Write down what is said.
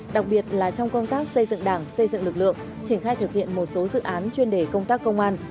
đặc biệt là trong công tác xây dựng đảng xây dựng lực lượng triển khai thực hiện một số dự án chuyên đề công tác công an